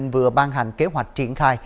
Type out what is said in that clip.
vừa ban hành kế hoạch triển khai